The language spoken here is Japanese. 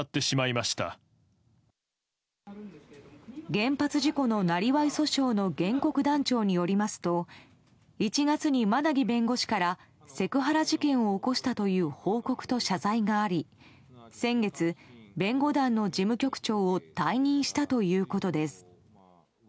原発事故の生業訴訟の原告団長によりますと１月に馬奈木弁護士からセクハラ事件を起こしたという報告と謝罪があり先月、弁護団の事務局長を退任したということです。